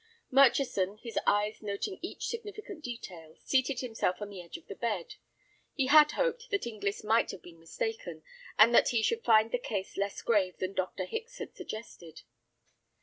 Murchison, his eyes noting each significant detail, seated himself on the edge of the bed. He had hoped that Inglis might have been mistaken, and that he should find the case less grave than Dr. Hicks had suggested.